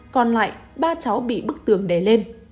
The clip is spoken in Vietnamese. còn lại ba chó bị bức tường đè lên